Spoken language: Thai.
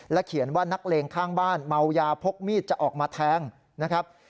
เขียนว่านักเลงข้างบ้านเมายาพกมีดจะออกมาแทงนะครับ